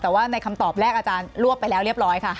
แต่ว่าในคำตอบแรกอาจารย์รวบไปแล้วเรียบร้อยค่ะ